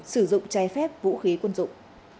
sử dụng trái phép vũ khí quân dụng